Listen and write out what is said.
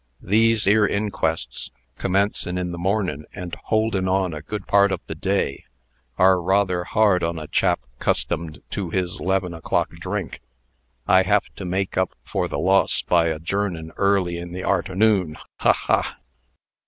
"These 'ere inquests, commencin' in the mornin' and holdin' on a good part of the day, are rather hard on a chap 'customed to his 'leven o'clock drink. I have to make up for the loss by adjournin' early in the arternoon. Ha! ha!